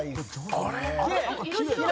「あれ？